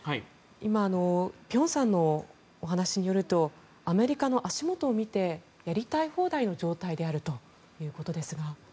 今、辺さんのお話によるとアメリカの足元を見てやりたい放題の状態であるということですが。